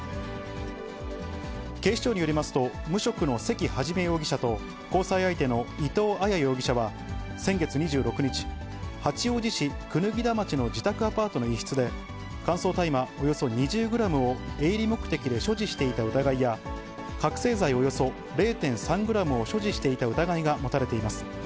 警視庁によりますと、無職の関一容疑者と、交際相手の伊藤綾容疑者は、先月２６日、八王子市椚田町の自宅アパートの一室で、乾燥大麻およそ２０グラムを営利目的で所持していた疑いや、覚醒剤およそ０．３グラムを所持していた疑いが持たれています。